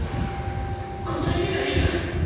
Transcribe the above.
５体目がいるんだ！